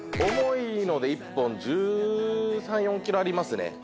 重いので１本１３１４ｋｇありますね。